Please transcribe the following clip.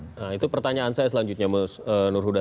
nah itu pertanyaan saya selanjutnya mas nur huda